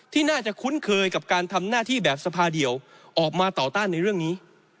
ที่น่าจะคุ้นเคยกับการทำหน้าที่แบบสภาเดียวออกมาต่อต้านในเรื่องนี้